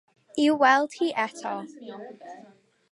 I'w gweld hi eto?